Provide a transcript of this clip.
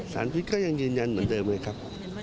สารพิษก็ยังยืนยันเหมือนเดิมเลยครับ